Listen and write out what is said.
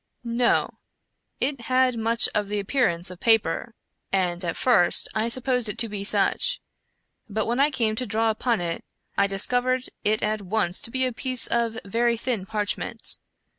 " No ; it had much of the appearance of paper, and a? first I supposed it to be such, but when I came to draw upon it, I discovered it at once to be a piece of very thin parch ment.